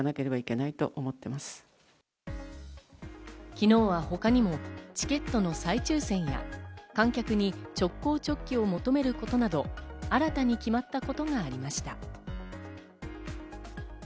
昨日は他にもチケットの再抽選や観客に直行直帰を求めることなど新たに決まったことがありました。